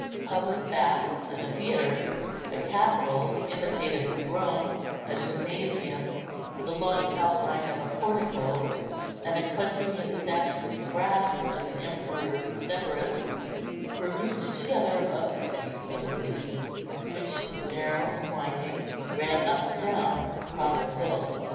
Public baths and a theatre, a capitol, imitative of Rome, a gymnasium, the long outline of a portico, an equestrian statue in brass of the Emperor Severus, were grouped together above the streets of a city, which, narrow and winding, ran up and down across the hill.